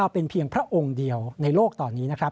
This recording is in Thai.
เป็นเพียงพระองค์เดียวในโลกตอนนี้นะครับ